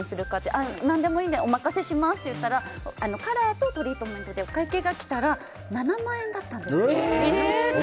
何でもいいのでお任せしますって言ったらカラーとトリートメントでお会計が来たら７万円だったんですね。